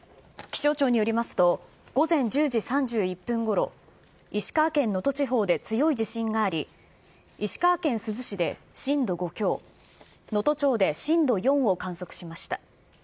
気象庁によりますと、午前１０時３１分ごろ、石川県能登地方で強い地震があり、石川県珠洲市で震度５強、能登町で震度４を観測しました。